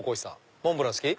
モンブラン好き？